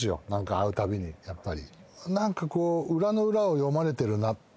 会うたびにやっぱり。